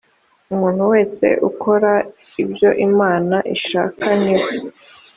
umuntu wese ukora ibyo imana ishaka ni we